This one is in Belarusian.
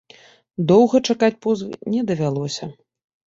Доўга чакаць позвы не давялося.